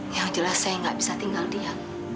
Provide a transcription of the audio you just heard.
yang jelas saya nggak bisa tinggal dia